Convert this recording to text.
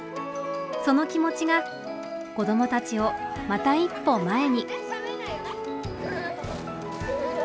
その気持ちが子どもたちをまた一歩前に。